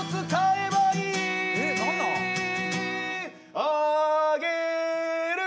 「あげる」